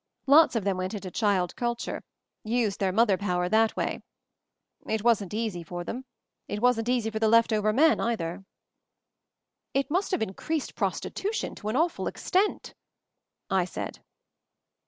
Lots of them went into child culture — used their mother power that way. It wasn't easy for them ; it 110 MOVING THE MOUNTAIN wasn't easy for the left over men, either !" "It must have increased prostitution to an awful extent," I said.